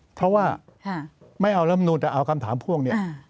เพราะว่าไม่เอาลำนูนแต่เอาคำถามพ่วงเนี่ย